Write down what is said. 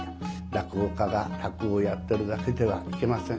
落語家が落語やってるだけではいけません。